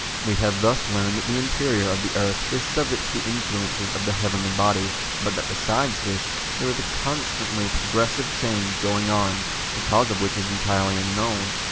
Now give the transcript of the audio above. We have thus learned that the interior of the earth is subject to the influences of the heavenly bodies, but that besides this there is a constantly progressive change going on, the cause of which is entirely unknown.